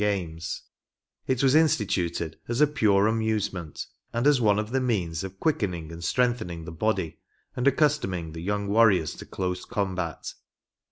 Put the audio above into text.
ility and primitive itious rite ae of the It was instituted as a pure amusement, and as one of the ixieans of quickening and strengthening the body, and accustoming the young warriors to close combat.